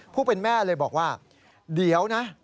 ผู้เป็นแม่เลยบอกว่าเดี๋ยวนะ